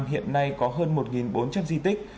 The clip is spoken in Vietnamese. hiện nay có hơn một bốn trăm linh di tích